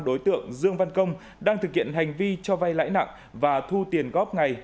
đối tượng dương văn công đang thực hiện hành vi cho vay lãi nặng và thu tiền góp ngày